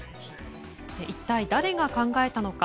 一体誰が考えたのか。